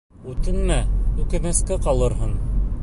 Үтенмә, үкенескә ҡалырһың.